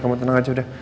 kamu tenang aja udah